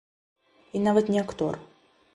І нават не актор.